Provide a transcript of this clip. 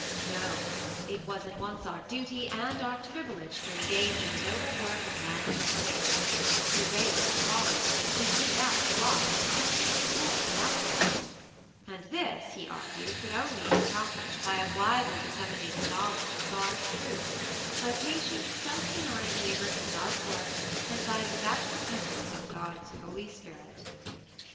No; it was at once our duty and our privilege to engage in the noble work of man's reformation to raise the fallen to seek out the lost, and to restore the outcast; and this, he argued, could only be accomplished by a widely disseminated knowledge of God's truth, by patient, self denying labour in God's work, and by a devout dependence on God's Holy Spirit.